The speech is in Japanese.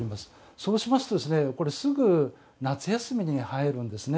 そうしますとすぐ夏休みに入るんですね。